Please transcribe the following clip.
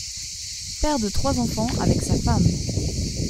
Père de trois enfants avec sa femme.